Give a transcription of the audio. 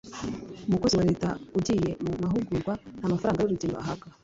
Umukozi wa Leta ugiye mu mahugurwa nta mafaranga y’urugendo ahabwa